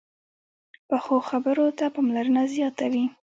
پخو خبرو ته پاملرنه زیاته وي